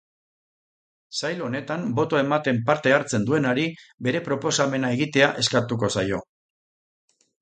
Sail honetan botoa ematen parte hartzen duenari bere proposamena egitea eskatuko zaio.